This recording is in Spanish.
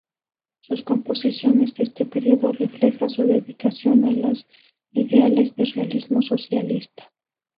Sus composiciones de este período refleja su dedicación a los ideales de Realismo socialista.